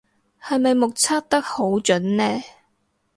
係咪目測得好準呢